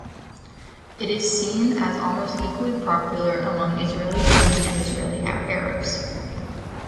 It is seen as almost equally popular among Israeli Jews and Israeli Arabs.